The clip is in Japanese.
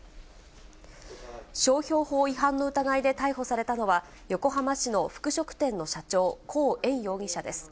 商標法違反の疑いで逮捕されたのは、横浜市の服飾店の社長、江艶容疑者です。